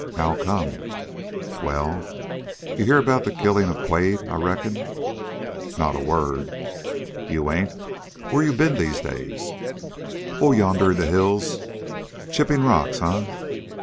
"How come?" "Well, you hear about the killing of Quade, I reckon?" "Not a word." "You ain't? Where you been these days?" "Oh, yonder in the hills." "Chipping rocks, eh?